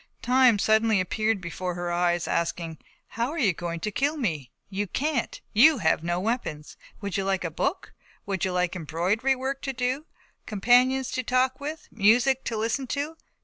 Time suddenly appeared before her eyes asking: "How are you to kill me? You can't, you have no weapons. Would you like a book? Would you like embroidery work to do, companions to talk with, music to listen to?